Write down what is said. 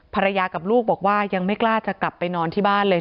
กับลูกบอกว่ายังไม่กล้าจะกลับไปนอนที่บ้านเลย